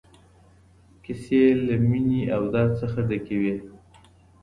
کيسې له مينې او درد څخه ډکې وې.